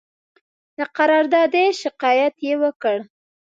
د قراردادي شکایت یې وکړ.